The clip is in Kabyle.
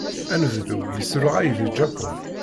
Anebdu yesruɣay deg Japun.